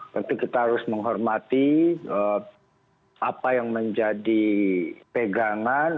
tentu kita harus menghormati apa yang menjadi pegangan